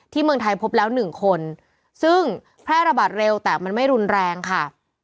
เมืองไทยพบแล้วหนึ่งคนซึ่งแพร่ระบาดเร็วแต่มันไม่รุนแรงค่ะ